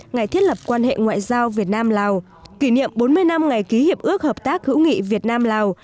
ngày thiết lập quan hệ ngoại giao việt nam lào kỷ niệm bốn mươi năm ngày ký hiệp ước hợp tác hữu nghị việt nam lào